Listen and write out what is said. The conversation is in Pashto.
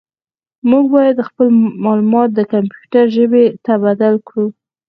موږ باید خپل معلومات د کمپیوټر ژبې ته بدل کړو.